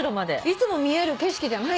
いつも見える景色じゃない。